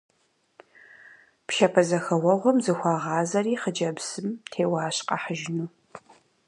Пшапэзэхэуэгъуэм зыхуагъазэри хъыджэбзым теуащ къахьыжыну.